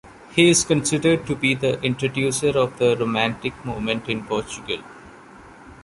He is considered to be the introducer of the Romantic movement in Portugal.